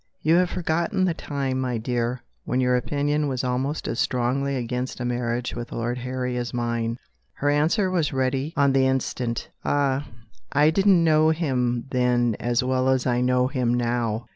"You have forgotten the time, my dear, when your opinion was almost as strongly against a marriage with Lord Harry as mine." Her answer was ready on the instant: "Ah, I didn't know him then as well as I know him now!"